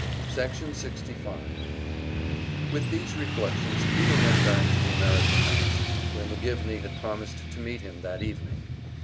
Section 65 With these reflections Peter went back to the American House, where McGivney had promised to meet him that evening.